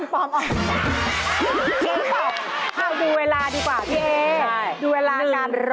ต้องดูเวลาดีกว่าพี่เอ๊ดูเวลากัน